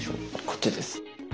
こっちです。